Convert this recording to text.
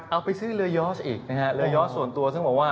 เอาไปซื้อเรือยอร์สส่วนตัวซึ่งบอกว่า